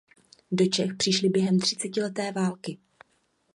Do Čech přišli během třicetileté války.